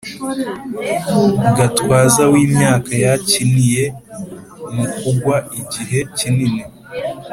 gatwaza w’imyaka yakiniye mukugwa igihe kinini